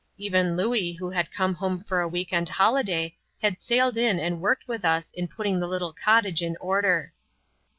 Even Louis who had come home for a week end holiday had sailed in and worked with us in putting the little cottage in order.